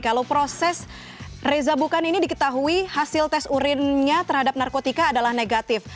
kalau proses reza bukan ini diketahui hasil tes urinnya terhadap narkotika adalah negatif